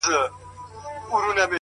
زحمت د ارمانونو ریښې ژوروي’